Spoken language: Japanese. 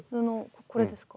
これですか？